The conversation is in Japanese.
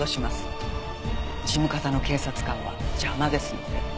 事務方の警察官は邪魔ですので。